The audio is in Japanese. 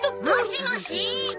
もしもし！